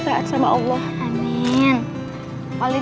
taat sama allah amin